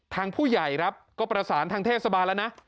ทางผู้ใหญ่ครับก็ประสานทางเทศบาลแล้วนะ